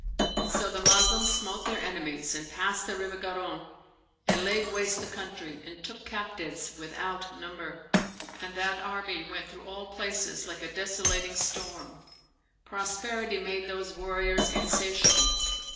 So the Moslems smote their enemies, and passed the river Garonne, and laid waste the country, and took captives without number. And that army went through all places like a desolating storm. Prosperity made those warriors insatiable.